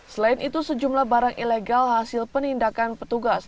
selain itu sejumlah barang ilegal hasil penindakan petugas